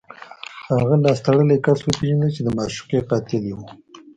هغه لاس تړلی کس وپېژنده چې د معشوقې قاتل یې و